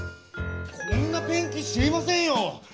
こんなペンキ知りませんよ！